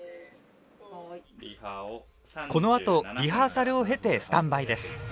このあとリハーサルを経てスタンバイです。